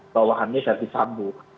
bawahannya jadi sabu